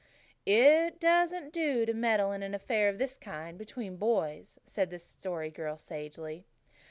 "It doesn't do to meddle in an affair of this kind between boys," said the Story Girl sagely.